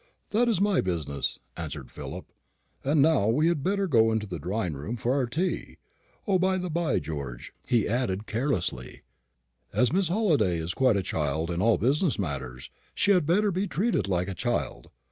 "That is my business," answered Philip. "And now we had better go into the drawing room for our tea. O, by the bye, George," he added, carelessly, "as Miss Halliday is quite a child in all business matters, she had better be treated like a child.